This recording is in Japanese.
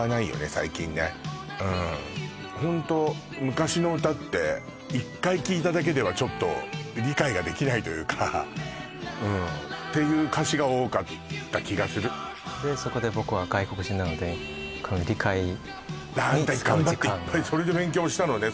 最近ねホント昔の歌って１回聴いただけではちょっと理解ができないというかっていう歌詞が多かった気がするでそこで僕は外国人なので理解頑張っていっぱい勉強したのね